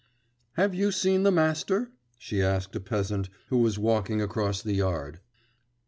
'Have you seen the master?' she asked a peasant, who was walking across the yard.